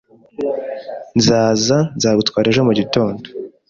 Nzaza nzagutwara ejo mu gitondo.